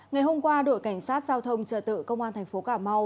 ngày hôm qua đội cảnh sát giao thông trợ tự công an tp cà mau